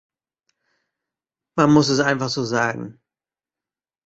Man muss es einfach so sagen.